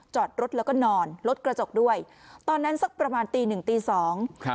จอดรถแล้วก็นอนรถกระจกด้วยตอนนั้นสักประมาณตีหนึ่งตีสองครับ